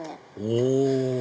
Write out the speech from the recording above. お！